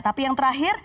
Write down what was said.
tapi yang terakhir